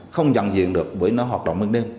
không nhận diện được bởi nó hoạt động bên đêm